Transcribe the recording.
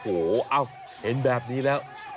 โอ้โหเอ้าเห็นแบบนี้แล้ว